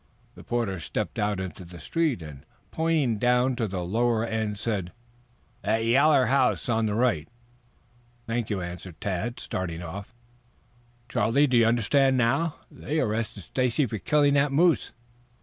The porter stepped out into the street, and, pointing down to the lower end, said: "That yaller house on the right." "Thank you," answered Tad, starting off. "Charlie, do you understand now? They arrested Stacy for killing that moose.